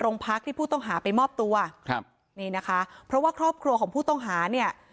โรงพักที่ผู้ต้องหาไปมอบตัวครับนี่นะคะเพราะว่าครอบครัวของผู้ต้องหาเนี่ย